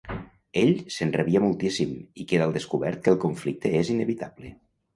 Ell s'enrabia moltíssim i queda al descobert que el conflicte és inevitable.